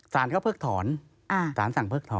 สารเขาเพิกถอนสารสั่งเพิกถอน